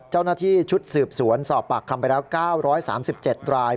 เจ้าหน้าที่ชุดสืบสวนสอบปากคำไปแล้ว๙๓๗ราย